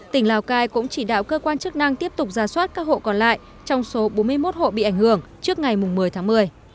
tỉnh lào cai cũng chỉ đạo cơ quan chức năng tiếp tục ra soát các hộ còn lại trong số bốn mươi một hộ bị ảnh hưởng trước ngày một mươi tháng một mươi